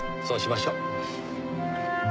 そうしましょう。